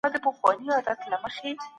هغه د خدای په محبت کې ډوب و.